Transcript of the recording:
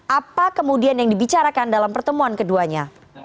apa kemudian yang dibicarakan dalam pertemuan keduanya